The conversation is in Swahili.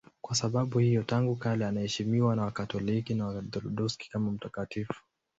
Kwa sababu hiyo tangu kale anaheshimiwa na Wakatoliki na Waorthodoksi kama mtakatifu.